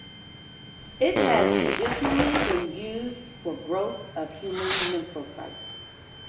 It has traditionally been used for growth of human lymphocytes.